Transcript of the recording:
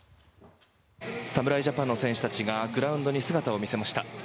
侍ジャパンの選手たちがグラウンドに姿を見せました。